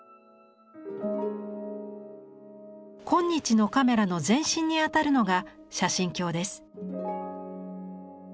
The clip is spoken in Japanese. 今日のカメラの前身にあたるのが写真鏡です。